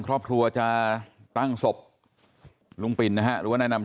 เพราะว่าเขาดูได้แม่นมาก